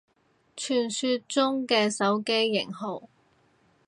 傳說中嘅手機型號